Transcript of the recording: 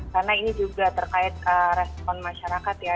karena ini juga terkait respon masyarakat ya